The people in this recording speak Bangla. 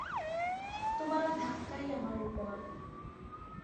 তোমার ঐ ধাক্কাই আমার বর।